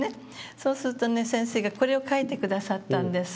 そうするとね先生がこれを書いて下さったんです。